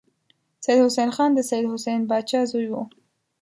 سید حسن خان د سید حسین پاچا زوی و.